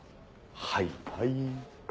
はいはい。